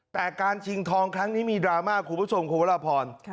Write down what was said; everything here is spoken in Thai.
แต่การชิงทองครั้งนี้มีดราม่าคุณผู้ชมคุณวรพร